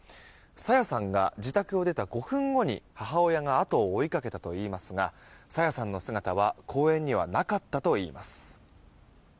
朝芽さんが自宅を出た５分後に母親が後を追いかけたといいますが朝芽さんの姿は公園にはなかったといいます。